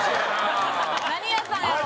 何屋さんやろう？